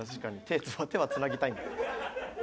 手はつなぎたいんだ。